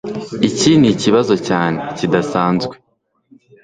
Iki nikibazo cyane, kidasanzwe.